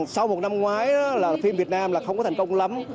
sau một năm ngoái phim việt nam không có thành công lắm